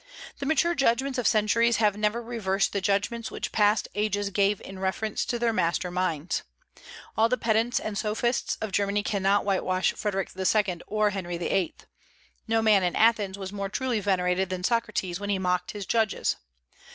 The mature judgments of centuries never have reversed the judgments which past ages gave in reference to their master minds. All the pedants and sophists of Germany cannot whitewash Frederic II. or Henry VIII. No man in Athens was more truly venerated than Socrates when he mocked his judges.